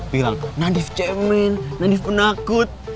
bilang nadif cemen nadif penakut